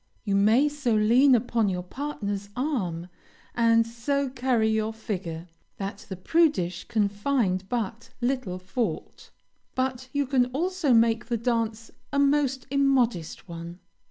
You may so lean upon your partner's arm, and so carry your figure, that the prudish can find but little fault, but you can also make the dance a most immodest one.